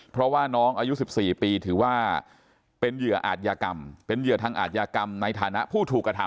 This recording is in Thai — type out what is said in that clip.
เพราะว่าน้องอายุ๑๔ปีถือว่าเป็นเหยื่ออาจยากรรมเป็นเหยื่อทางอาทยากรรมในฐานะผู้ถูกกระทำ